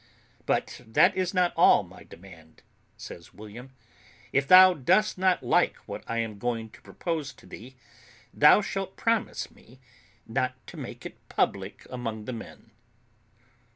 "But that is not all my demand," says William; "if thou dost not like what I am going to propose to thee, thou shalt promise me not to make it public among the men."